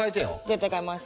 絶対変えます。